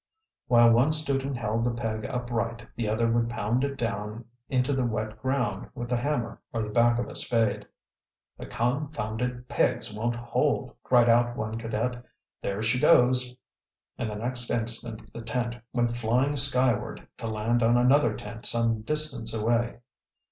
While one student held the peg upright the other would pound it down into the wet ground with a hammer or the back of a spade. "The confounded pegs won't hold," cried out one cadet. "There she goes!" and the next instant the tent went flying skyward, to land on another tent some distance away.